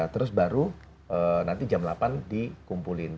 terus baru nanti jam delapan dikumpulin